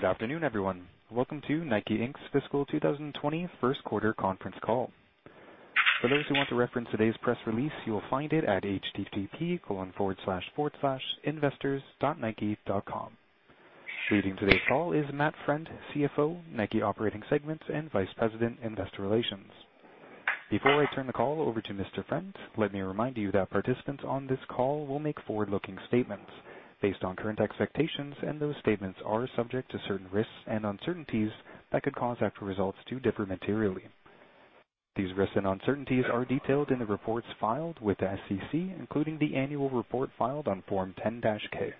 Good afternoon, everyone. Welcome to Nike, Inc.'s fiscal 2020 first quarter conference call. For those who want to reference today's press release, you will find it at http://investors.nike.com. Leading today's call is Matthew Friend, CFO, Nike Operating Segments, and Vice President, Investor Relations. Before I turn the call over to Mr. Friend, let me remind you that participants on this call will make forward-looking statements based on current expectations, and those statements are subject to certain risks and uncertainties that could cause actual results to differ materially. These risks and uncertainties are detailed in the reports filed with the SEC, including the annual report filed on Form 10-K.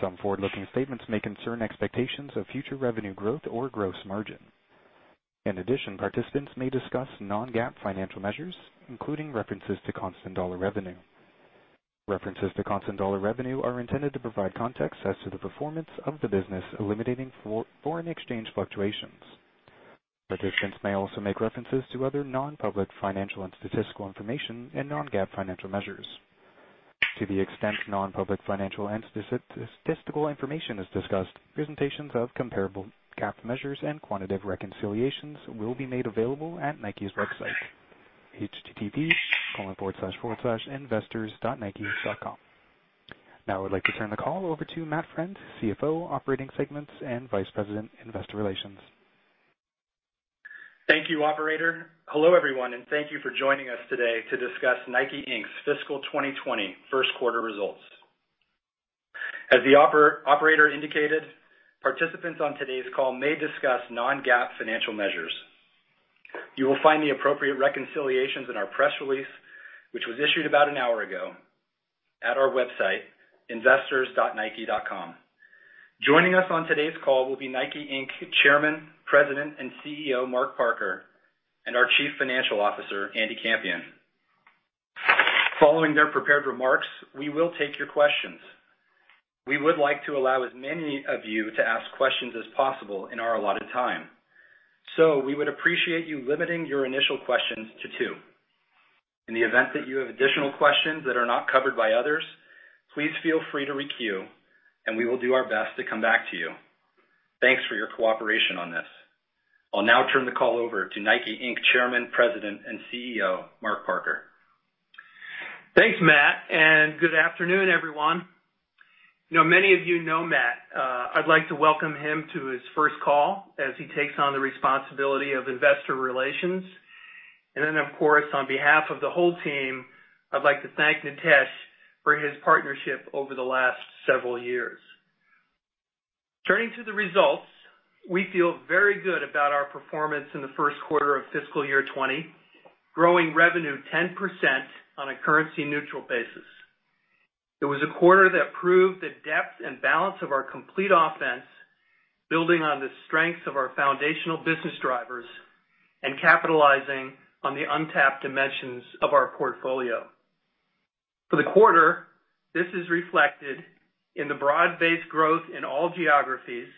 Some forward-looking statements may concern expectations of future revenue growth or gross margin. In addition, participants may discuss non-GAAP financial measures, including references to constant dollar revenue. References to constant dollar revenue are intended to provide context as to the performance of the business, eliminating foreign exchange fluctuations. Participants may also make references to other non-public financial and statistical information and non-GAAP financial measures. To the extent non-public financial and statistical information is discussed, presentations of comparable GAAP measures and quantitative reconciliations will be made available at Nike's website, http://investors.nike.com. I would like to turn the call over to Matthew Friend, CFO, Operating Segments, and Vice President, Investor Relations. Thank you, operator. Hello, everyone, and thank you for joining us today to discuss Nike, Inc.'s fiscal 2020 first quarter results. As the operator indicated, participants on today's call may discuss non-GAAP financial measures. You will find the appropriate reconciliations in our press release, which was issued about an hour ago, at our website, investors.nike.com. Joining us on today's call will be Nike, Inc. Chairman, President, and CEO, Mark Parker, and our Chief Financial Officer, Andy Campion. Following their prepared remarks, we will take your questions. We would like to allow as many of you to ask questions as possible in our allotted time. We would appreciate you limiting your initial questions to two. In the event that you have additional questions that are not covered by others, please feel free to re-queue, and we will do our best to come back to you. Thanks for your cooperation on this. I'll now turn the call over to Nike, Inc. Chairman, President, and CEO, Mark Parker. Thanks, Matt. Good afternoon, everyone. Many of you know Matt. I'd like to welcome him to his first call as he takes on the responsibility of investor relations. Of course, on behalf of the whole team, I'd like to thank Nitesh for his partnership over the last several years. Turning to the results, we feel very good about our performance in the first quarter of fiscal year 2020, growing revenue 10% on a currency-neutral basis. It was a quarter that proved the depth and balance of our complete offense, building on the strengths of our foundational business drivers and capitalizing on the untapped dimensions of our portfolio. For the quarter, this is reflected in the broad-based growth in all geographies,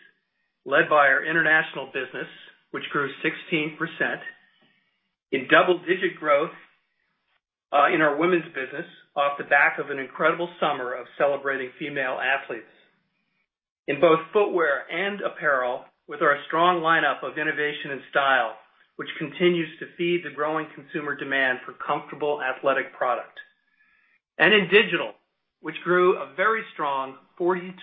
led by our international business, which grew 16%, in double-digit growth in our women's business, off the back of an incredible summer of celebrating female athletes. In both footwear and apparel, with our strong lineup of innovation and style, which continues to feed the growing consumer demand for comfortable athletic product. In digital, which grew a very strong 42%,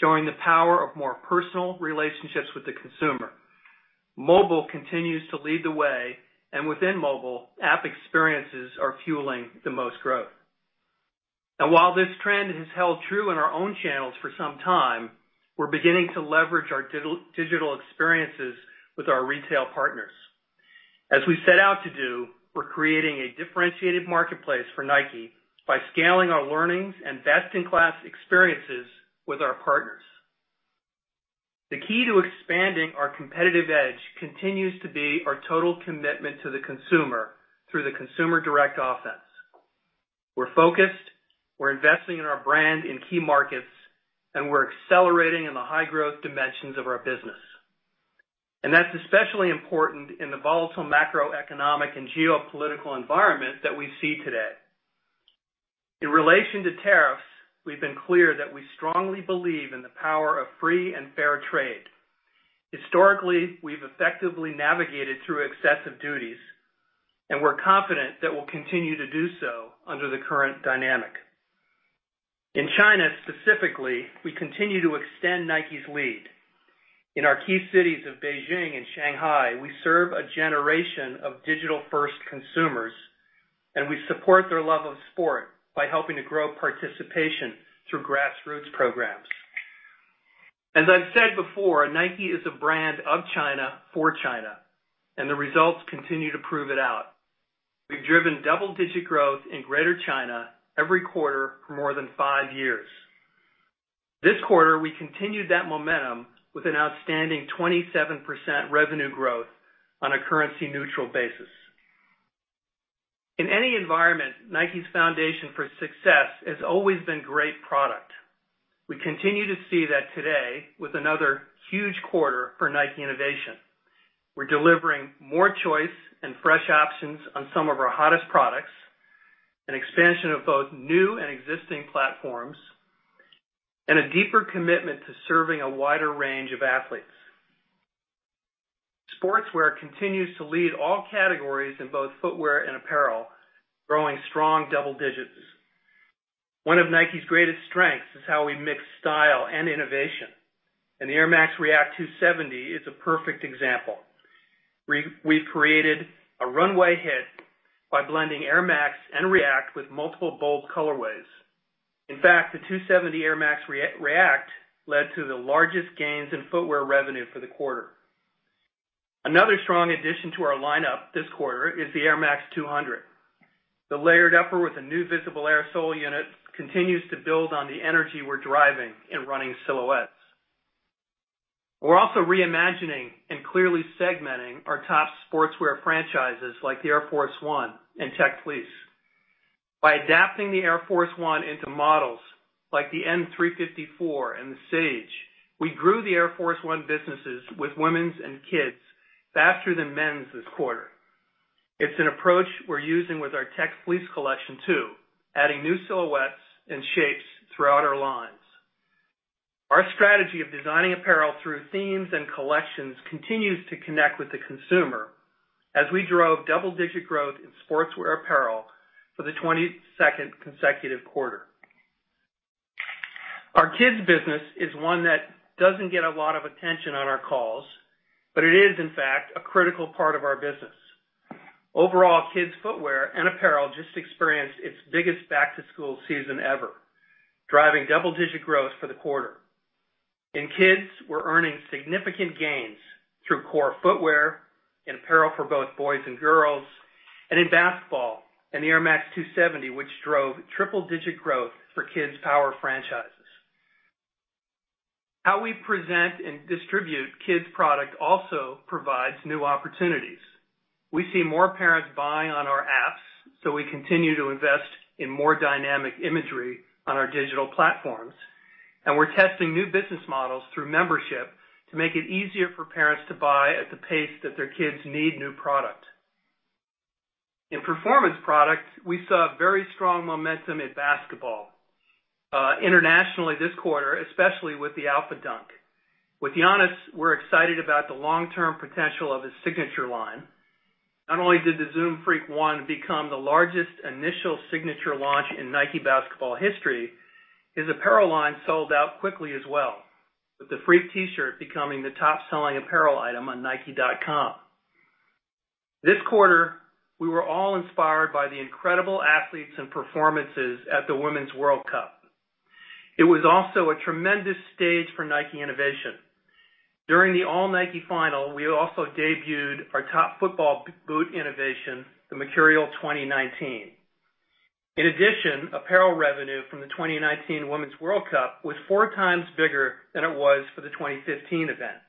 showing the power of more personal relationships with the consumer. Mobile continues to lead the way, and within mobile, app experiences are fueling the most growth. While this trend has held true in our own channels for some time, we're beginning to leverage our digital experiences with our retail partners. As we set out to do, we're creating a differentiated marketplace for Nike by scaling our learnings and best-in-class experiences with our partners. The key to expanding our competitive edge continues to be our total commitment to the consumer through the Consumer Direct Offense. We're focused, we're investing in our brand in key markets, and we're accelerating in the high-growth dimensions of our business. That's especially important in the volatile macroeconomic and geopolitical environment that we see today. In relation to tariffs, we've been clear that we strongly believe in the power of free and fair trade. Historically, we've effectively navigated through excessive duties, and we're confident that we'll continue to do so under the current dynamic. In China specifically, we continue to extend Nike's lead. In our key cities of Beijing and Shanghai, we serve a generation of digital-first consumers, and we support their love of sport by helping to grow participation through grassroots programs. As I've said before, Nike is a brand of China for China, and the results continue to prove it out. We've driven double-digit growth in Greater China every quarter for more than five years. This quarter, we continued that momentum with an outstanding 27% revenue growth on a currency-neutral basis. In any environment, Nike's foundation for success has always been great product. We continue to see that today with another huge quarter for Nike innovation. We're delivering more choice and fresh options on some of our hottest products. An expansion of both new and existing platforms, and a deeper commitment to serving a wider range of athletes. Sportswear continues to lead all categories in both footwear and apparel, growing strong double digits. One of Nike's greatest strengths is how we mix style and innovation, and the Air Max 270 React is a perfect example. We've created a runway hit by blending Air Max and React with multiple bold colorways. The Air Max 270 React led to the largest gains in footwear revenue for the quarter. Another strong addition to our lineup this quarter is the Air Max 200. The layered upper with a new visible Air sole unit continues to build on the energy we're driving in running silhouettes. We're also re-imagining and clearly segmenting our top sportswear franchises like the Air Force 1 and Tech Fleece. By adapting the Air Force 1 into models like the N.354 and the Sage, we grew the Air Force 1 businesses with women's and kids faster than men's this quarter. It's an approach we're using with our Tech Fleece collection, too, adding new silhouettes and shapes throughout our lines. Our strategy of designing apparel through themes and collections continues to connect with the consumer as we drove double-digit growth in sportswear apparel for the 22nd consecutive quarter. Our kids business is one that doesn't get a lot of attention on our calls, but it is, in fact, a critical part of our business. Overall, kids footwear and apparel just experienced its biggest back-to-school season ever, driving double-digit growth for the quarter. In kids, we're earning significant gains through core footwear and apparel for both boys and girls, and in basketball and the Air Max 270, which drove triple-digit growth for kids' power franchises. How we present and distribute kids product also provides new opportunities. We see more parents buying on our apps, so we continue to invest in more dynamic imagery on our digital platforms, and we're testing new business models through membership to make it easier for parents to buy at the pace that their kids need new product. In performance product, we saw very strong momentum in basketball. Internationally this quarter, especially with the AlphaDunk. With Giannis, we're excited about the long-term potential of his signature line. Not only did the Zoom Freak 1 become the largest initial signature launch in Nike basketball history, his apparel line sold out quickly as well, with the Freak T-shirt becoming the top-selling apparel item on nike.com. This quarter, we were all inspired by the incredible athletes and performances at the Women's World Cup. It was also a tremendous stage for Nike innovation. During the all-Nike final, we also debuted our top football boot innovation, the Mercurial 2019. Apparel revenue from the 2019 Women's World Cup was four times bigger than it was for the 2015 event.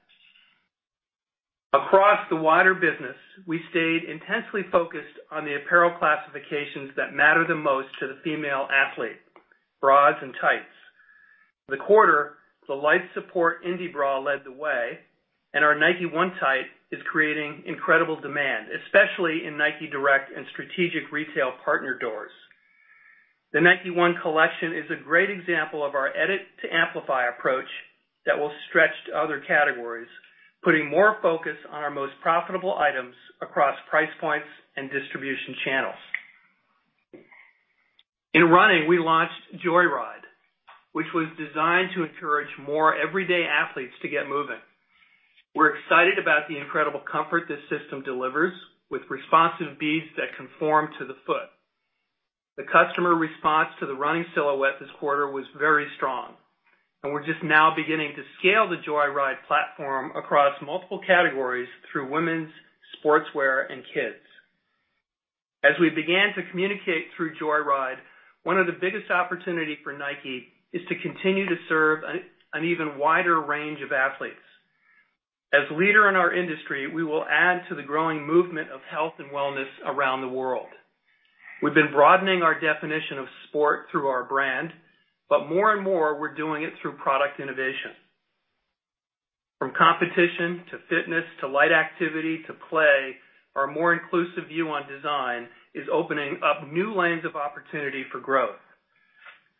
Across the wider business, we stayed intensely focused on the apparel classifications that matter the most to the female athlete, bras and tights. The quarter, the Light Support Indy Bra led the way, and our Nike One Tight is creating incredible demand, especially in Nike Direct and strategic retail partner doors. The Nike One collection is a great example of our edit to amplify approach that will stretch to other categories, putting more focus on our most profitable items across price points and distribution channels. In running, we launched Joyride, which was designed to encourage more everyday athletes to get moving. We're excited about the incredible comfort this system delivers with responsive beads that conform to the foot. The customer response to the running silhouette this quarter was very strong, and we're just now beginning to scale the Joyride platform across multiple categories through women's sportswear and kids. As we began to communicate through Joyride, one of the biggest opportunity for Nike is to continue to serve an even wider range of athletes. As leader in our industry, we will add to the growing movement of health and wellness around the world. We've been broadening our definition of sport through our brand, more and more, we're doing it through product innovation. From competition to fitness to light activity to play, our more inclusive view on design is opening up new lanes of opportunity for growth.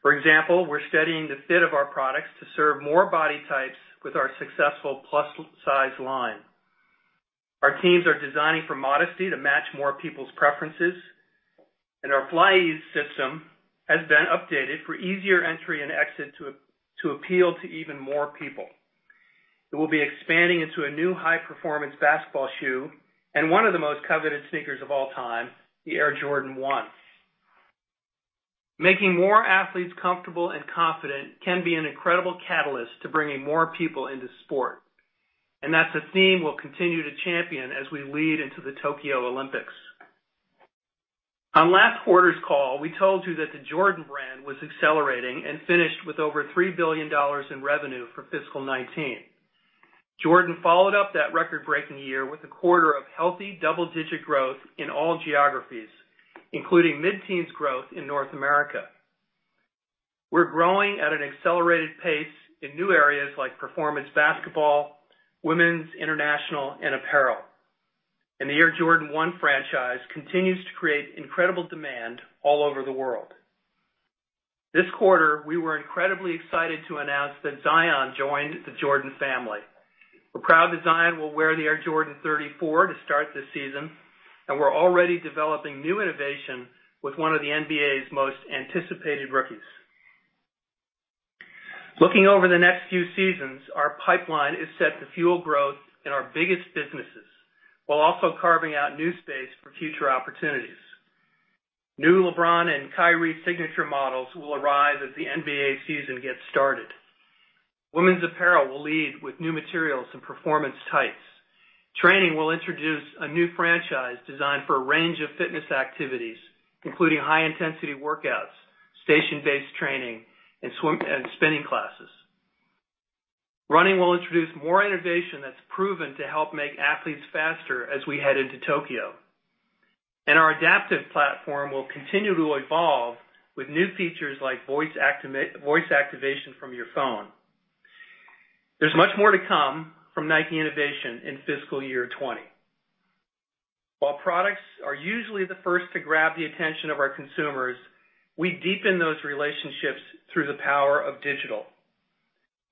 For example, we're studying the fit of our products to serve more body types with our successful plus size line. Our teams are designing for modesty to match more people's preferences. Our FlyEase system has been updated for easier entry and exit to appeal to even more people. It will be expanding into a new high-performance basketball shoe and one of the most coveted sneakers of all time, the Air Jordan 1. Making more athletes comfortable and confident can be an incredible catalyst to bringing more people into sport, that's a theme we'll continue to champion as we lead into the Tokyo Olympics. On last quarter's call, we told you that the Jordan Brand was accelerating and finished with over $3 billion in revenue for fiscal 2019. Jordan followed up that record-breaking year with a quarter of healthy double-digit growth in all geographies, including mid-teens growth in North America. We're growing at an accelerated pace in new areas like performance basketball, women's international, and apparel. The Air Jordan 1 franchise continues to create incredible demand all over the world. This quarter, we were incredibly excited to announce that Zion joined the Jordan family. We're proud that Zion will wear the Air Jordan 34 to start this season, and we're already developing new innovation with one of the NBA's most anticipated rookies. Looking over the next few seasons, our pipeline is set to fuel growth in our biggest businesses while also carving out new space for future opportunities. New LeBron and Kyrie signature models will arrive as the NBA season gets started. Women's apparel will lead with new materials and performance types. Training will introduce a new franchise designed for a range of fitness activities, including high-intensity workouts, station-based training, and spinning classes. Running will introduce more innovation that's proven to help make athletes faster as we head into Tokyo. Our Adapt platform will continue to evolve with new features like voice activation from your phone. There's much more to come from Nike innovation in fiscal year 2020. While products are usually the first to grab the attention of our consumers, we deepen those relationships through the power of digital.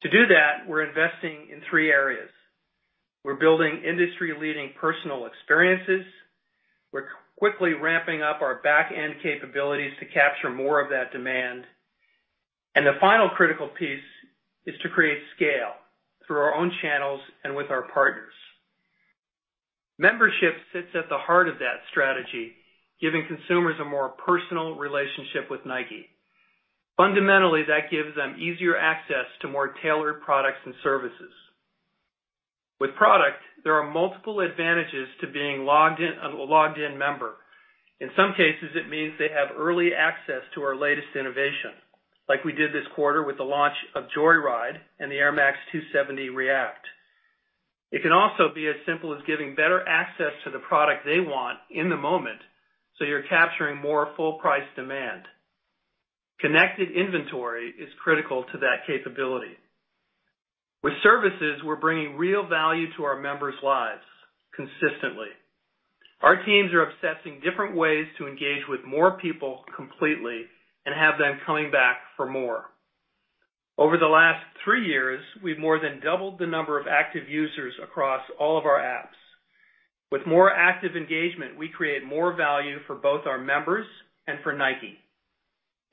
To do that, we're investing in three areas. We're building industry-leading personal experiences. We're quickly ramping up our back-end capabilities to capture more of that demand. The final critical piece is to create scale through our own channels and with our partners. Membership sits at the heart of that strategy, giving consumers a more personal relationship with Nike. Fundamentally, that gives them easier access to more tailored products and services. With product, there are multiple advantages to being a logged-in member. In some cases, it means they have early access to our latest innovation, like we did this quarter with the launch of Joyride and the Air Max 270 React. It can also be as simple as giving better access to the product they want in the moment, so you're capturing more full price demand. Connected inventory is critical to that capability. With services, we're bringing real value to our members' lives consistently. Our teams are obsessing different ways to engage with more people completely and have them coming back for more. Over the last three years, we've more than doubled the number of active users across all of our apps. With more active engagement, we create more value for both our members and for Nike.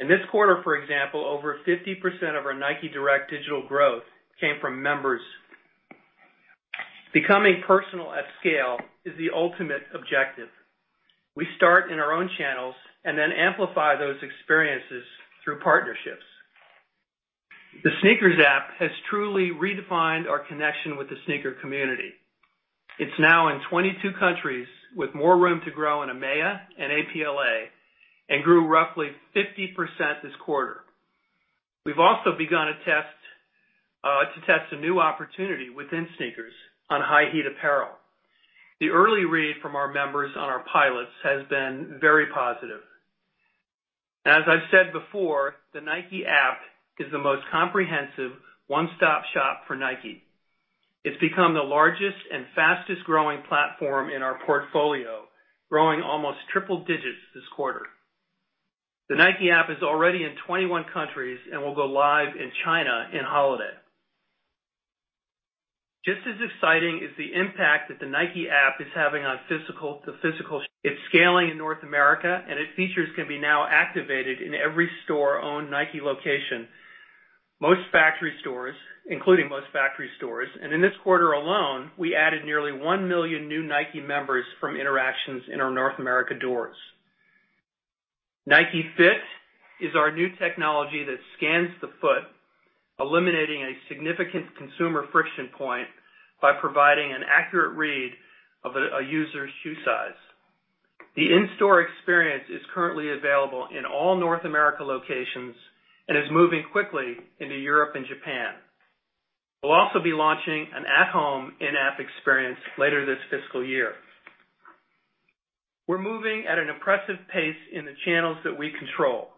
In this quarter, for example, over 50% of our Nike Direct digital growth came from members. Becoming personal at scale is the ultimate objective. We start in our own channels and then amplify those experiences through partnerships. The SNKRS app has truly redefined our connection with the sneaker community. It's now in 22 countries with more room to grow in EMEA and APLA and grew roughly 50% this quarter. We've also begun to test a new opportunity within SNKRS on high heat apparel. The early read from our members on our pilots has been very positive. As I've said before, the Nike App is the most comprehensive one-stop shop for Nike. It's become the largest and fastest-growing platform in our portfolio, growing almost triple digits this quarter. The Nike App is already in 21 countries and will go live in China in holiday. Just as exciting is the impact that the Nike App is having on the physical. It's scaling in North America, and its features can be now activated in every store-owned Nike location, including most factory stores. In this quarter alone, we added nearly 1 million new Nike members from interactions in our North America doors. Nike Fit is our new technology that scans the foot, eliminating a significant consumer friction point by providing an accurate read of a user's shoe size. The in-store experience is currently available in all North America locations and is moving quickly into Europe and Japan. We'll also be launching an at-home in-app experience later this fiscal year. We're moving at an impressive pace in the channels that we control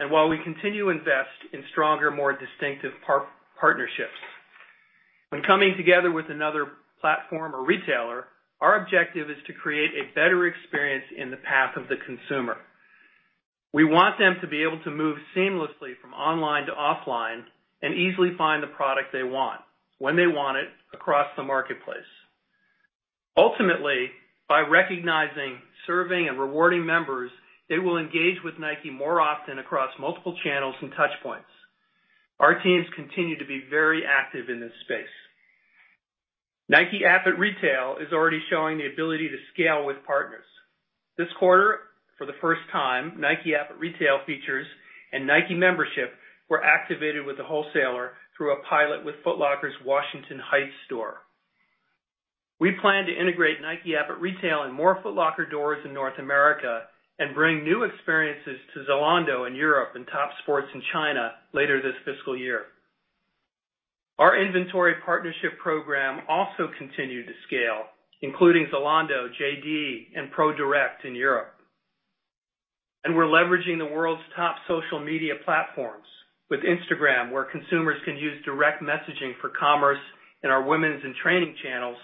and while we continue to invest in stronger, more distinctive partnerships. When coming together with another platform or retailer, our objective is to create a better experience in the path of the consumer. We want them to be able to move seamlessly from online to offline and easily find the product they want, when they want it, across the marketplace. Ultimately, by recognizing, serving, and rewarding members, they will engage with Nike more often across multiple channels and touch points. Our teams continue to be very active in this space. Nike App at Retail is already showing the ability to scale with partners. This quarter, for the first time, Nike App at Retail features and Nike membership were activated with the wholesaler through a pilot with Foot Locker's Washington Heights store. We plan to integrate Nike App at Retail in more Foot Locker doors in North America and bring new experiences to Zalando in Europe and Topsports in China later this fiscal year. Our inventory partnership program also continued to scale, including Zalando, JD, and Pro:Direct in Europe. We're leveraging the world's top social media platforms with Instagram, where consumers can use direct messaging for commerce in our women's and training channels,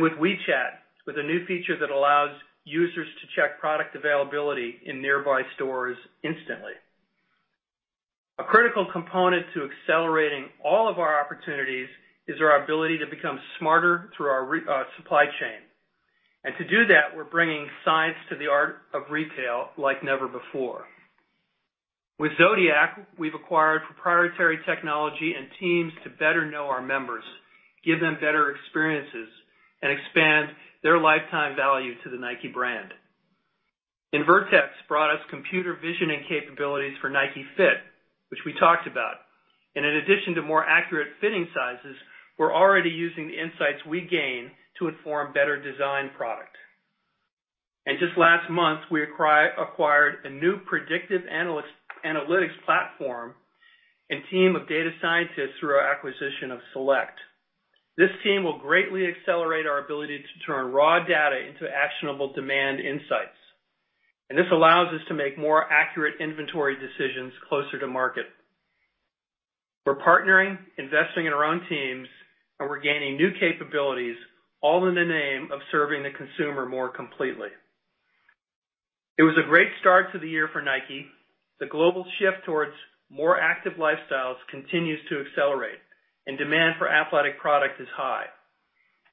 with WeChat, with a new feature that allows users to check product availability in nearby stores instantly. A critical component to accelerating all of our opportunities is our ability to become smarter through our supply chain. To do that, we're bringing science to the art of retail like never before. With Zodiac, we've acquired proprietary technology and teams to better know our members, give them better experiences, and expand their lifetime value to the Nike brand. Invertex brought us computer vision and capabilities for Nike Fit, which we talked about. In addition to more accurate fitting sizes, we're already using the insights we gain to inform better design product. Just last month, we acquired a new predictive analytics platform and team of data scientists through our acquisition of Celect. This team will greatly accelerate our ability to turn raw data into actionable demand insights. This allows us to make more accurate inventory decisions closer to market. We're partnering, investing in our own teams, and we're gaining new capabilities, all in the name of serving the consumer more completely. It was a great start to the year for Nike. The global shift towards more active lifestyles continues to accelerate, and demand for athletic product is high.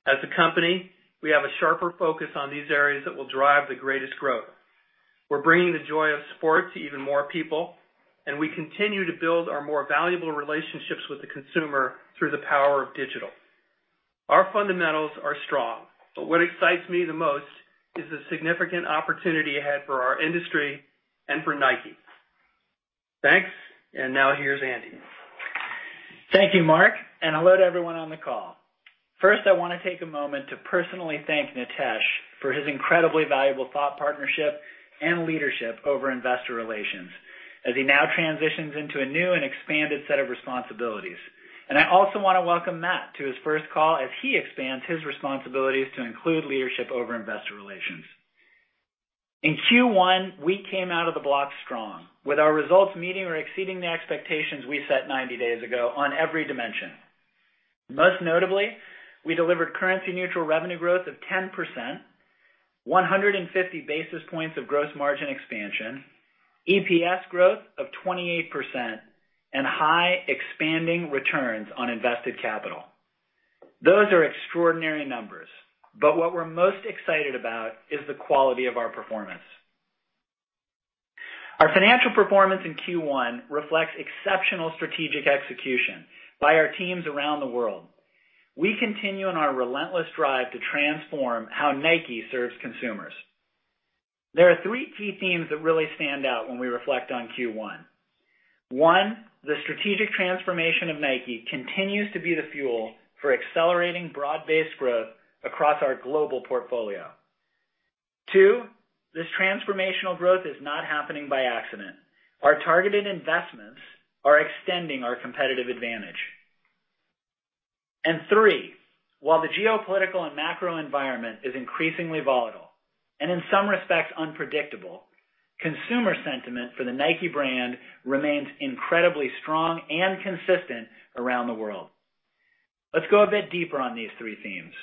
As a company, we have a sharper focus on these areas that will drive the greatest growth. We're bringing the joy of sport to even more people, and we continue to build our more valuable relationships with the consumer through the power of digital. Our fundamentals are strong, but what excites me the most is the significant opportunity ahead for our industry and for Nike. Thanks. Now here's Andy. Thank you, Mark, and hello to everyone on the call. First, I want to take a moment to personally thank Nitesh for his incredibly valuable thought partnership and leadership over investor relations as he now transitions into a new and expanded set of responsibilities. I also want to welcome Matt to his first call as he expands his responsibilities to include leadership over investor relations. In Q1, we came out of the blocks strong, with our results meeting or exceeding the expectations we set 90 days ago on every dimension. Most notably, we delivered currency-neutral revenue growth of 10%, 150 basis points of gross margin expansion, EPS growth of 28%, and high expanding returns on invested capital. Those are extraordinary numbers, but what we're most excited about is the quality of our performance. Our financial performance in Q1 reflects exceptional strategic execution by our teams around the world. We continue on our relentless drive to transform how Nike serves consumers. There are three key themes that really stand out when we reflect on Q1. One, the strategic transformation of Nike continues to be the fuel for accelerating broad-based growth across our global portfolio. Two, this transformational growth is not happening by accident. Our targeted investments are extending our competitive advantage. Three, while the geopolitical and macro environment is increasingly volatile and, in some respects, unpredictable, consumer sentiment for the Nike brand remains incredibly strong and consistent around the world. Let's go a bit deeper on these three themes.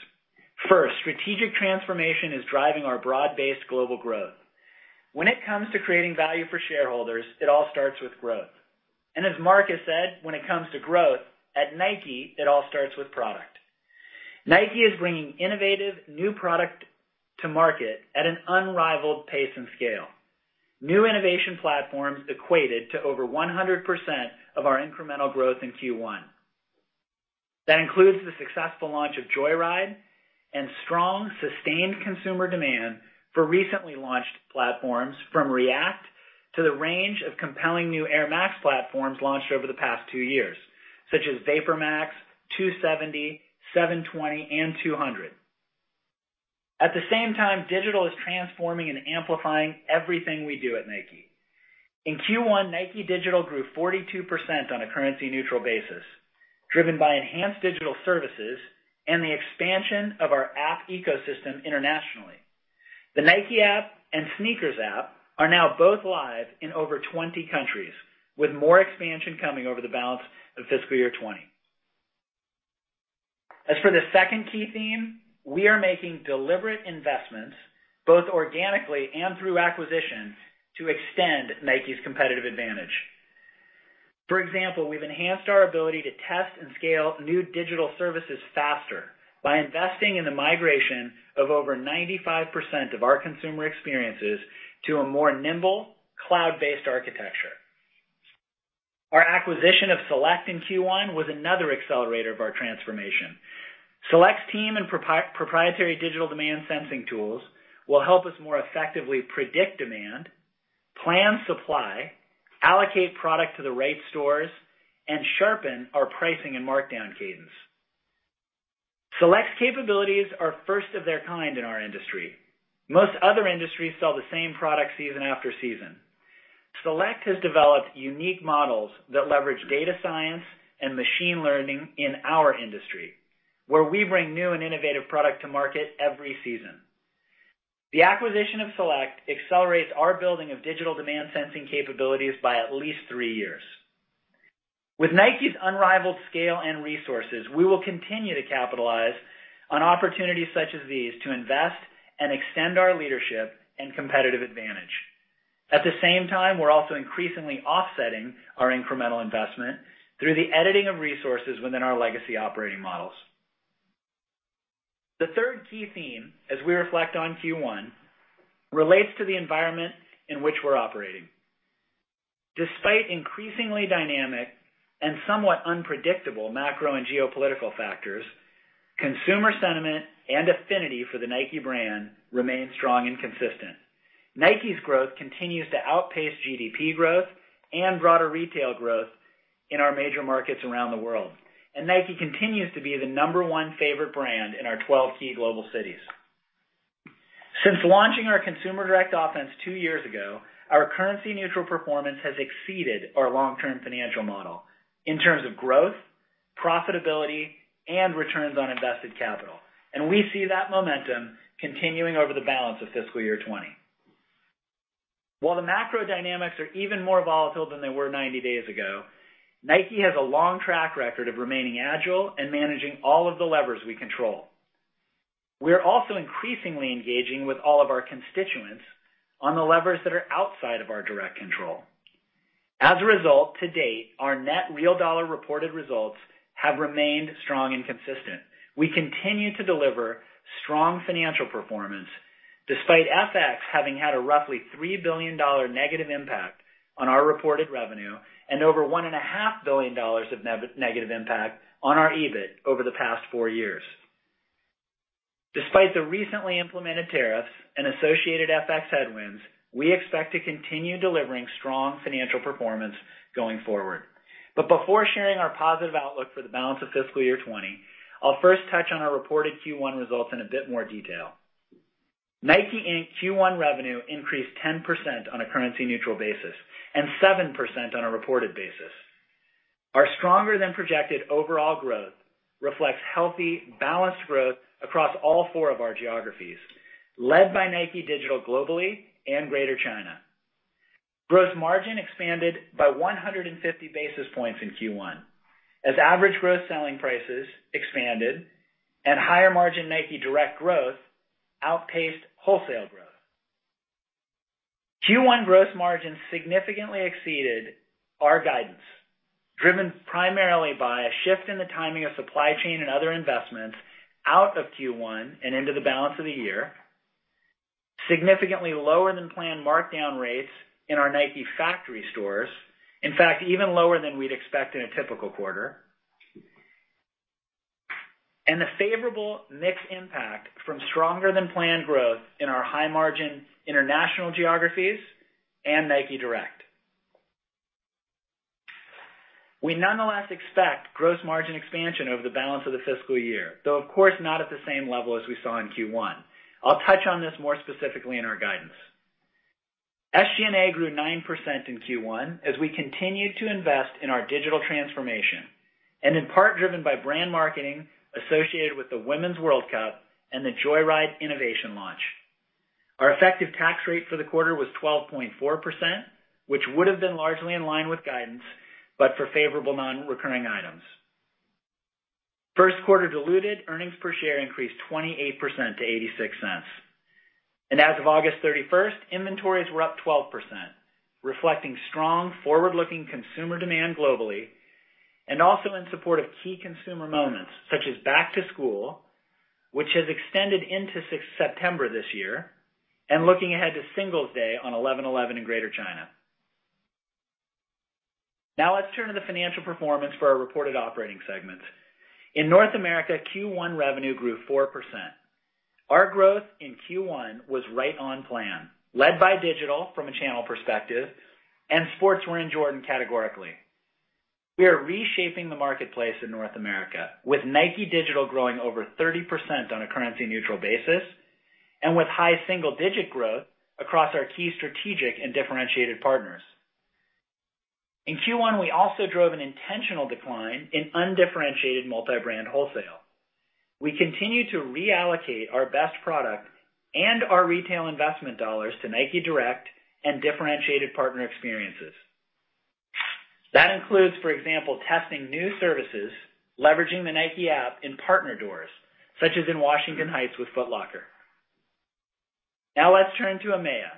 First, strategic transformation is driving our broad-based global growth. When it comes to creating value for shareholders, it all starts with growth. As Mark has said, when it comes to growth, at Nike, it all starts with product. Nike is bringing innovative new product to market at an unrivaled pace and scale. New innovation platforms equated to over 100% of our incremental growth in Q1. That includes the successful launch of Joyride and strong, sustained consumer demand for recently launched platforms, from React to the range of compelling new Air Max platforms launched over the past two years, such as VaporMax, 270, 720, and 200. At the same time, digital is transforming and amplifying everything we do at Nike. In Q1, Nike Digital grew 42% on a currency neutral basis, driven by enhanced digital services and the expansion of our app ecosystem internationally. The Nike app and SNKRS app are now both live in over 20 countries, with more expansion coming over the balance of fiscal year 2020. As for the second key theme, we are making deliberate investments, both organically and through acquisitions, to extend Nike's competitive advantage. For example, we've enhanced our ability to test and scale new digital services faster by investing in the migration of over 95% of our consumer experiences to a more nimble, cloud-based architecture. Our acquisition of Celect in Q1 was another accelerator of our transformation. Celect's team and proprietary digital demand sensing tools will help us more effectively predict demand, plan supply, allocate product to the right stores, and sharpen our pricing and markdown cadence. Celect's capabilities are first of their kind in our industry. Most other industries sell the same product season after season. Celect has developed unique models that leverage data science and machine learning in our industry, where we bring new and innovative product to market every season. The acquisition of Celect accelerates our building of digital demand sensing capabilities by at least three years. With Nike's unrivaled scale and resources, we will continue to capitalize on opportunities such as these to invest and extend our leadership and competitive advantage. At the same time, we're also increasingly offsetting our incremental investment through the editing of resources within our legacy operating models. The third key theme as we reflect on Q1, relates to the environment in which we're operating. Despite increasingly dynamic and somewhat unpredictable macro and geopolitical factors, consumer sentiment and affinity for the Nike brand remains strong and consistent. Nike's growth continues to outpace GDP growth and broader retail growth in our major markets around the world. Nike continues to be the number 1 favorite brand in our 12 key global cities. Since launching our Consumer Direct Offense two years ago, our currency-neutral performance has exceeded our long-term financial model in terms of growth, profitability, and returns on invested capital. We see that momentum continuing over the balance of fiscal year 2020. While the macro dynamics are even more volatile than they were 90 days ago, Nike has a long track record of remaining agile and managing all of the levers we control. We're also increasingly engaging with all of our constituents on the levers that are outside of our direct control. As a result, to date, our net real dollar reported results have remained strong and consistent. We continue to deliver strong financial performance despite FX having had a roughly $3 billion negative impact on our reported revenue and over $1.5 billion of negative impact on our EBIT over the past four years. Despite the recently implemented tariffs and associated FX headwinds, we expect to continue delivering strong financial performance going forward. Before sharing our positive outlook for the balance of fiscal year 2020, I'll first touch on our reported Q1 results in a bit more detail. Nike, Inc. Q1 revenue increased 10% on a currency neutral basis and 7% on a reported basis. Our stronger than projected overall growth reflects healthy, balanced growth across all four of our geographies, led by Nike Digital globally and Greater China. Gross margin expanded by 150 basis points in Q1 as average gross selling prices expanded and higher margin Nike Direct growth outpaced wholesale growth. Q1 gross margin significantly exceeded our guidance, driven primarily by a shift in the timing of supply chain and other investments out of Q1 and into the balance of the year, significantly lower than planned markdown rates in our Nike factory stores. In fact, even lower than we'd expect in a typical quarter. The favorable mix impact from stronger than planned growth in our high margin international geographies and Nike Direct. We nonetheless expect gross margin expansion over the balance of the fiscal year, though of course not at the same level as we saw in Q1. I'll touch on this more specifically in our guidance. SG&A grew 9% in Q1 as we continued to invest in our digital transformation and in part driven by brand marketing associated with the Women's World Cup and the Joyride innovation launch. Our effective tax rate for the quarter was 12.4%, which would've been largely in line with guidance, but for favorable non-recurring items. First quarter diluted earnings per share increased 28% to $0.86. As of August 31st, inventories were up 12%, reflecting strong forward-looking consumer demand globally and also in support of key consumer moments such as back to school, which has extended into September this year, and looking ahead to Singles' Day on 11.11 in Greater China. Let's turn to the financial performance for our reported operating segments. In North America, Q1 revenue grew 4%. Our growth in Q1 was right on plan, led by digital from a channel perspective and Sportswear in Jordan categorically. We are reshaping the marketplace in North America with Nike Digital growing over 30% on a currency neutral basis and with high single digit growth across our key strategic and differentiated partners. In Q1, we also drove an intentional decline in undifferentiated multi-brand wholesale. We continue to reallocate our best product and our retail investment dollars to Nike Direct and differentiated partner experiences. That includes, for example, testing new services, leveraging the Nike app in partner doors such as in Washington Heights with Foot Locker. Let's turn to EMEA,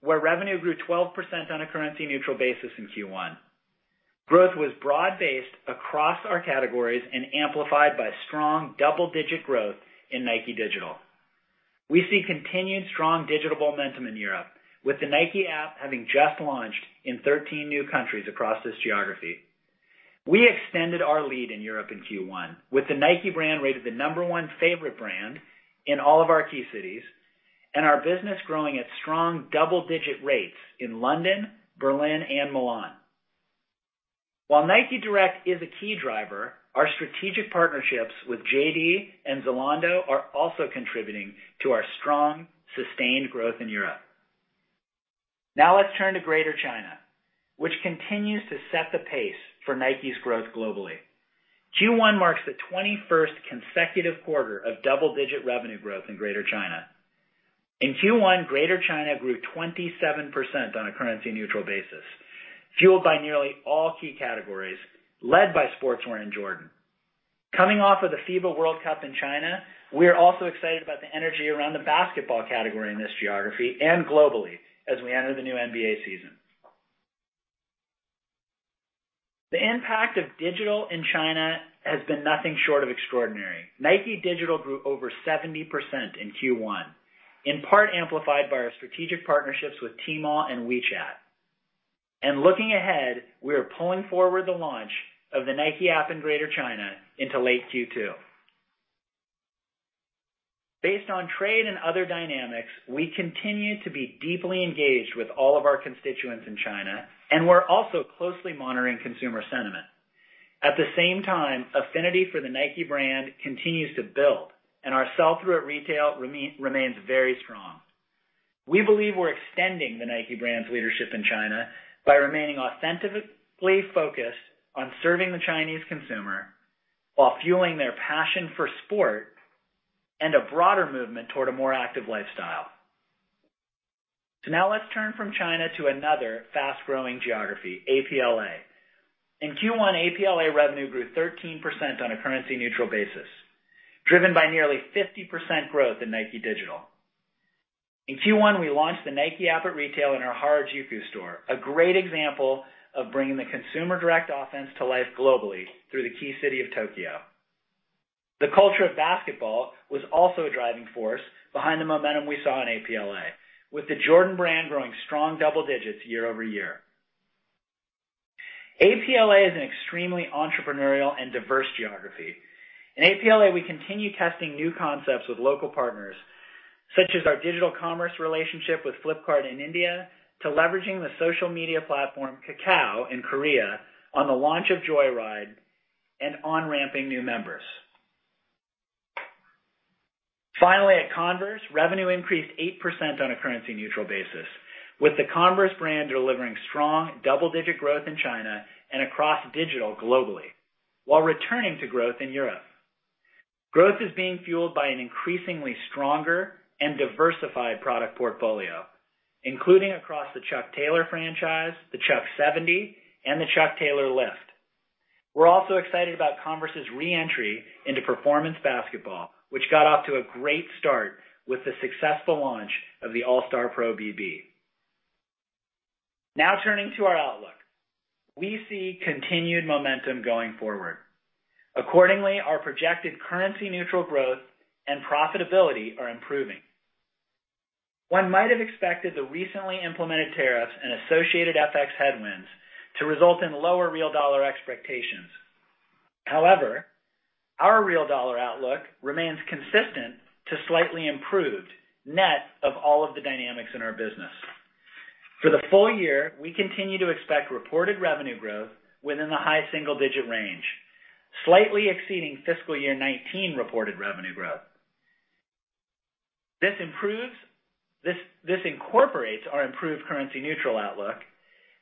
where revenue grew 12% on a currency neutral basis in Q1. Growth was broad-based across our categories and amplified by strong double-digit growth in Nike Digital. We see continued strong digital momentum in Europe with the Nike app having just launched in 13 new countries across this geography. We extended our lead in Europe in Q1 with the Nike brand rated the number one favorite brand in all of our key cities and our business growing at strong double-digit rates in London, Berlin and Milan. While Nike Direct is a key driver, our strategic partnerships with JD and Zalando are also contributing to our strong, sustained growth in Europe. Now let's turn to Greater China, which continues to set the pace for Nike's growth globally. Q1 marks the 21st consecutive quarter of double-digit revenue growth in Greater China. In Q1, Greater China grew 27% on a currency neutral basis, fueled by nearly all key categories, led by Sportswear and Jordan. Coming off of the FIBA World Cup in China, we are also excited about the energy around the basketball category in this geography and globally as we enter the new NBA season. The impact of digital in China has been nothing short of extraordinary. Nike Digital grew over 70% in Q1, in part amplified by our strategic partnerships with Tmall and WeChat. Looking ahead, we are pulling forward the launch of the Nike app in Greater China into late Q2. Based on trade and other dynamics, we continue to be deeply engaged with all of our constituents in China, and we're also closely monitoring consumer sentiment. At the same time, affinity for the Nike brand continues to build, and our sell-through at retail remains very strong. We believe we're extending the Nike brand's leadership in China by remaining authentically focused on serving the Chinese consumer while fueling their passion for sport and a broader movement toward a more active lifestyle. Now let's turn from China to another fast-growing geography, APLA. In Q1, APLA revenue grew 13% on a currency neutral basis, driven by nearly 50% growth in Nike Digital. In Q1, we launched the Nike App at Retail in our Harajuku store, a great example of bringing the Consumer Direct Offense to life globally through the key city of Tokyo. The culture of basketball was also a driving force behind the momentum we saw in APLA, with the Jordan Brand growing strong double digits year-over-year. APLA is an extremely entrepreneurial and diverse geography. In APLA, we continue testing new concepts with local partners such as our digital commerce relationship with Flipkart in India, to leveraging the social media platform Kakao in Korea on the launch of Joyride and on-ramping new members. Finally, at Converse, revenue increased 8% on a currency neutral basis, with the Converse brand delivering strong double-digit growth in China and across digital globally while returning to growth in Europe. Growth is being fueled by an increasingly stronger and diversified product portfolio, including across the Chuck Taylor franchise, the Chuck 70, and the Chuck Taylor Lift. We're also excited about Converse's re-entry into performance basketball, which got off to a great start with the successful launch of the All Star Pro BB. Now turning to our outlook. We see continued momentum going forward. Accordingly, our projected currency neutral growth and profitability are improving. One might have expected the recently implemented tariffs and associated FX headwinds to result in lower real dollar expectations. However, our real dollar outlook remains consistent to slightly improved net of all of the dynamics in our business. For the full year, we continue to expect reported revenue growth within the high single-digit range, slightly exceeding fiscal year 2019 reported revenue growth. This incorporates our improved currency neutral outlook,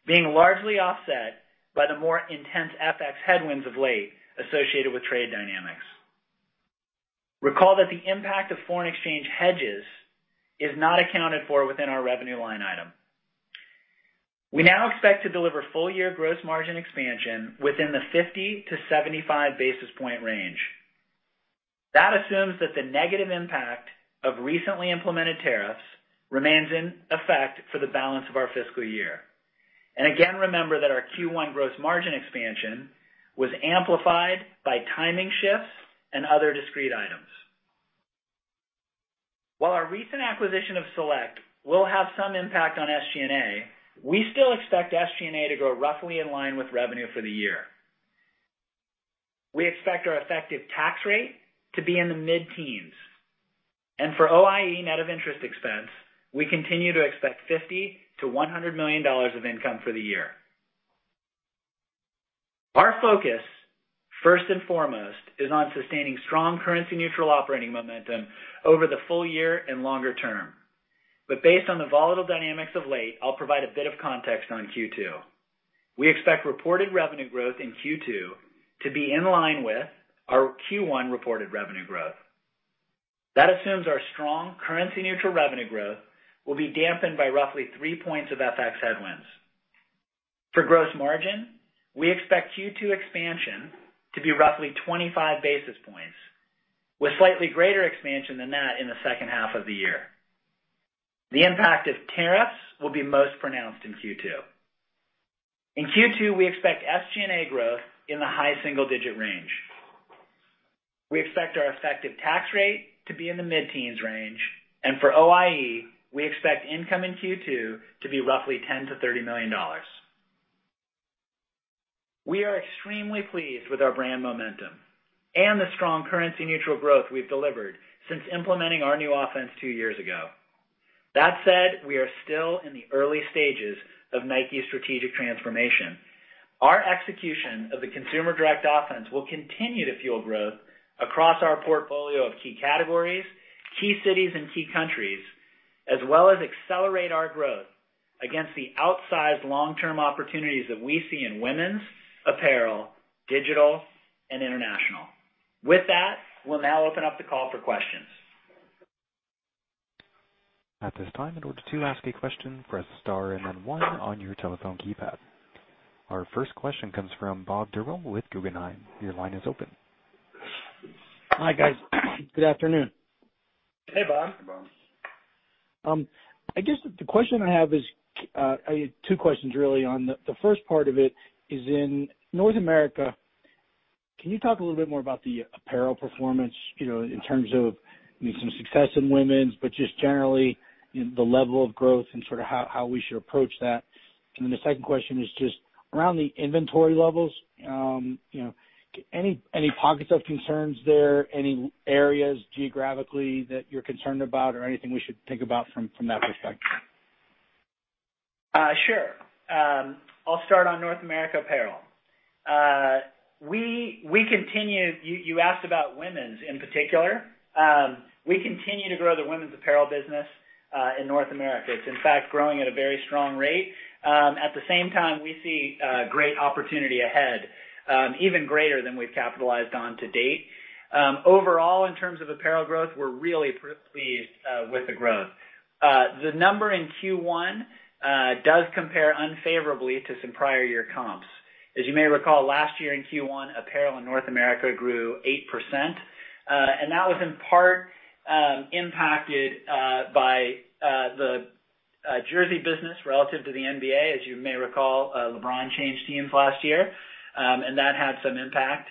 being largely offset by the more intense FX headwinds of late associated with trade dynamics. Recall that the impact of foreign exchange hedges is not accounted for within our revenue line item. We now expect to deliver full-year gross margin expansion within the 50-75 basis point range. That assumes that the negative impact of recently implemented tariffs remains in effect for the balance of our fiscal year. Again, remember that our Q1 gross margin expansion was amplified by timing shifts and other discrete items. While our recent acquisition of Celect will have some impact on SG&A, we still expect SG&A to grow roughly in line with revenue for the year. We expect our effective tax rate to be in the mid-teens, and for OIE, net of interest expense, we continue to expect $50 million-$100 million of income for the year. Our focus, first and foremost, is on sustaining strong currency neutral operating momentum over the full year and longer term. Based on the volatile dynamics of late, I'll provide a bit of context on Q2. We expect reported revenue growth in Q2 to be in line with our Q1 reported revenue growth. That assumes our strong currency neutral revenue growth will be dampened by roughly three points of FX headwinds. For gross margin, we expect Q2 expansion to be roughly 25 basis points, with slightly greater expansion than that in the second half of the year. The impact of tariffs will be most pronounced in Q2. In Q2, we expect SG&A growth in the high single-digit range. We expect our effective tax rate to be in the mid-teens range, and for OIE, we expect income in Q2 to be roughly $10 million-$30 million. We are extremely pleased with our brand momentum and the strong currency neutral growth we've delivered since implementing our new offense two years ago. That said, we are still in the early stages of Nike's strategic transformation. Our execution of the Consumer Direct Offense will continue to fuel growth across our portfolio of key categories, key cities, and key countries, as well as accelerate our growth against the outsized long-term opportunities that we see in women's apparel, digital, and international. With that, we'll now open up the call for questions. At this time, in order to ask a question, press star and then one on your telephone keypad. Our first question comes from Bob Drbul with Guggenheim. Your line is open. Hi, guys. Good afternoon. Hey, Bob. Hey, Bob. I guess the question I have is, two questions really. The first part of it is in North America. Can you talk a little bit more about the apparel performance, in terms of maybe some success in women's, but just generally, the level of growth and sort of how we should approach that? Then the second question is just around the inventory levels. Any pockets of concerns there, any areas geographically that you're concerned about or anything we should think about from that perspective? Sure. I'll start on North America apparel. You asked about women's in particular. We continue to grow the women's apparel business, in North America. It's, in fact, growing at a very strong rate. At the same time, we see great opportunity ahead, even greater than we've capitalized on to date. Overall, in terms of apparel growth, we're really pleased with the growth. The number in Q1 does compare unfavorably to some prior year comps. As you may recall, last year in Q1, apparel in North America grew 8%, and that was in part impacted by the jersey business relative to the NBA. As you may recall, LeBron changed teams last year, and that had some impact.